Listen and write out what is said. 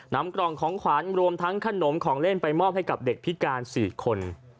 นำกล่องของขวัญรวมทั้งขนมของเล่นไปมอบให้กับเด็กพิการ๔คน